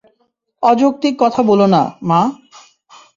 অযৌক্তিক কথা বোলো না, মা।